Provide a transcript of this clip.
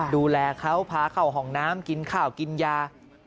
ดูแลเขาพาเข้าห้องน้ำกินข้าวกินยา